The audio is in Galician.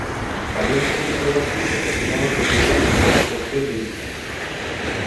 Tamén publicou artigos que asinaba co pseudónimo Dr. Veritas.